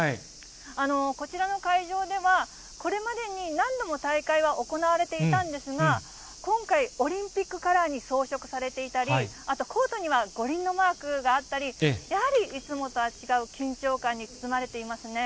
こちらの会場では、これまでに何度も大会は行われていたんですが、今回、オリンピックカラーに装飾されていたり、あとコートには五輪のマークがあったり、やはりいつもとは違う緊張感に包まれていますね。